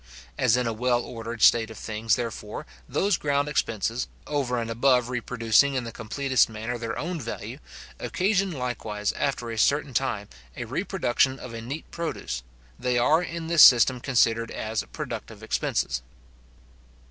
As in a well ordered state of things, therefore, those ground expenses, over and above reproducing in the completest manner their own value, occasion likewise, after a certain time, a reproduction of a neat produce, they are in this system considered as productive expenses.